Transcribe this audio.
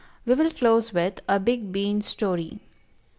We will close with A BIG BEAN STORY.